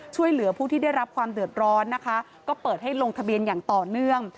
ช่วยเหลือผู้ที่ได้รับความเดือดร้อนนะคะก็เปิดให้ลงทะเบียนอย่างต่อเนื่อง